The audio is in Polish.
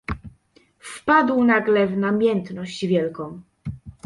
"Wpadł nagle w namiętność wielką."